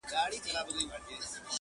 د گلو كر نه دى چي څوك يې پــټ كړي.